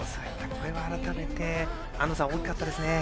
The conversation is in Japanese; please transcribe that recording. これは改めて安藤さん、大きかったですね。